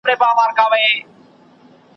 را لنډ کړی به مي خپل د ژوند مزل وي `